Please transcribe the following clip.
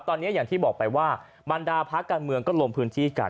ตอนนี้อย่างที่บอกไปว่าบรรดาภาคการเมืองก็ลงพื้นที่กัน